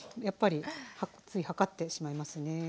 やっぱりつい量ってしまいますね。